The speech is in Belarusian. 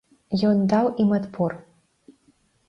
Ён даў ім адпор.